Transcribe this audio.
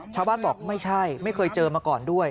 ชาวบ้านบอกไม่ใช่ไม่เคยเจอมาก่อนด้วย